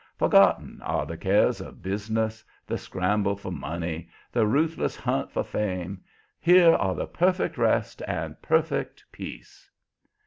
Forgotten are the cares of business, the scramble for money, the ruthless hunt for fame. Here are perfect rest and perfect peace.